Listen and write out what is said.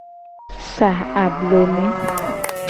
Sa abloni.